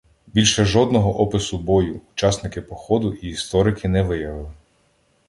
Більше жодного опису бою учасники походу і історики не виявили.